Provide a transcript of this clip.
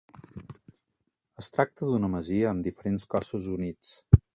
Es tracta d'una masia amb diferents cossos units.